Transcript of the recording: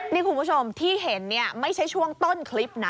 นี่คุณผู้ชมที่เห็นเนี่ยไม่ใช่ช่วงต้นคลิปนะ